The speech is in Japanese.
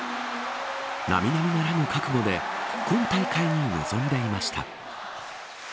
並々ならぬ覚悟で今大会に臨んでいました。